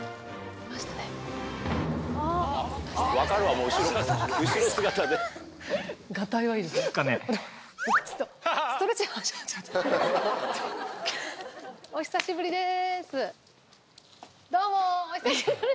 どうもお久しぶりです。